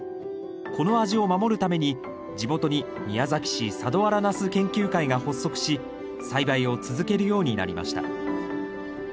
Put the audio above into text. この味を守るために地元に宮崎市佐土原ナス研究会が発足し栽培を続けるようになりました。